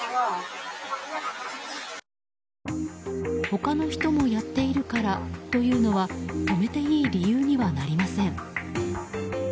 他の人もやっているからというのは止めていい理由にはなりません。